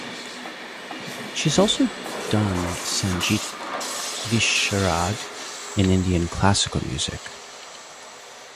She has also done Sangeet Visharad in Indian classical music.